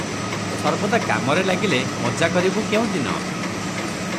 ସର୍ବଦା କାମରେ ଲାଗିଲେ ମଜା କରିବୁଁ କେଉଁଦିନ?